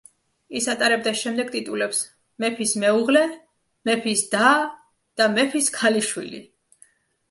ის ატარებდა შემდეგ ტიტულებს: „მეფის მეუღლე“, „მეფის და“ და „მეფის ქალიშვილი“.